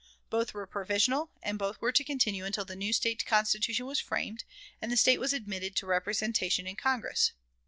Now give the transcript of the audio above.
Both were provisional, and both were to continue until the new State Constitution was framed, and the State was admitted to representation in Congress.